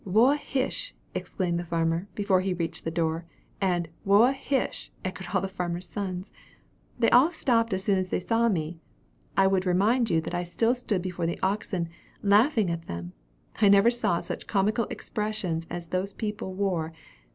'Whoa hish!' exclaimed the farmer, before he reached the door; and 'Whoa hish!' echoed all the farmer's sons. They all stopped as soon as they saw me. I would remind you that I still stood before the oxen, laughing at them. I never saw such comical expressions as those people wore.